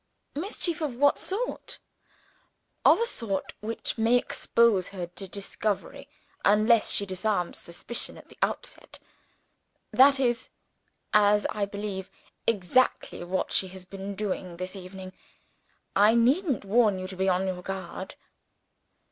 "Mischief of what sort?" "Of a sort which may expose her to discovery unless she disarms suspicion at the outset. That is (as I believe) exactly what she has been doing this evening. I needn't warn you to be on your guard."